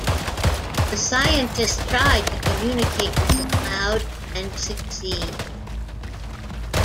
The scientists try to communicate with the cloud, and succeed.